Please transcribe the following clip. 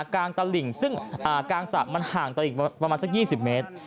กลางสักมันห่างตลิ่งประมาณสัก๒๐เมตร